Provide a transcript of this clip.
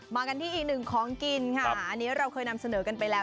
มากันที่อีกหนึ่งของกินค่ะอันนี้เราเคยนำเสนอกันไปแล้ว